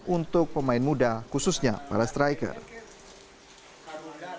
untuk mencari kemampuan untuk mencari kemampuan untuk mencari kemampuan untuk mencari kemampuan